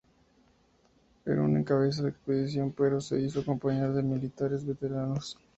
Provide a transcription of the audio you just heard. Harún encabezaba la expedición, pero se hizo acompañar de militares veteranos.